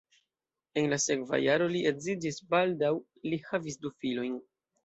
En la sekva jaro li edziĝis, baldaŭ li havis du filojn.